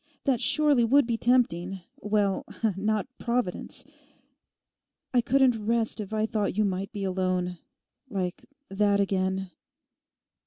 That surely would be tempting—well, not Providence. I couldn't rest if I thought you might be alone; like that again.